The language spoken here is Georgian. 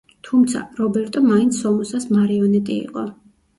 თუმცა, რობერტო მაინც სომოსას მარიონეტი იყო.